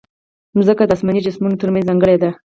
مځکه د اسماني جسمونو ترمنځ ځانګړې ده.